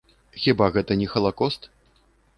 Хіба гэта не халакост?